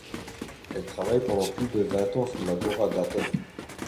Elle travaille pendant plus de vingt ans sur l'Agora d'Athènes.